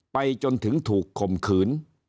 ไปจนถึงถูกข่มขืน